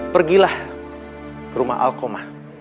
pergilah ke rumah alkomah